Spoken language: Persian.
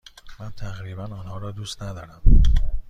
من تقریبا آنها را دوست ندارم.